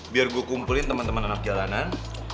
biar gue kumpulin temen temen anak jalanan